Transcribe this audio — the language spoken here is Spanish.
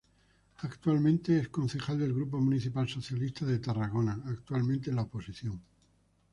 Actualmente, es concejal del Grupo Municipal Socialista de Tarragona, actualmente en la oposición.